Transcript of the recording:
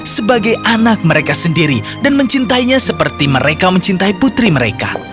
sebagai anak mereka sendiri dan mencintainya seperti mereka mencintai putri mereka